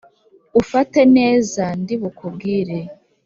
Ufate neza ndi bukubwire!